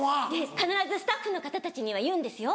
必ずスタッフの方たちには言うんですよ。